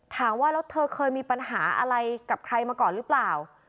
ถามว่าแล้วเธอเคยมีปัญหาอะไรกับใครมาก่อนหรือเปล่า